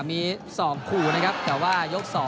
มี๒คู่นะครับแต่ว่ายก๒